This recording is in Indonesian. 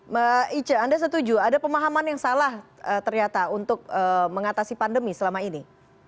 mbak ica anda setuju ada pemahaman yang salah ternyata untuk mengatasi pandemi selama ini